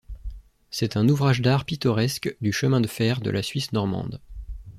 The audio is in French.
C'est un ouvrage d'art pittoresque du Chemin de fer de la Suisse Normande.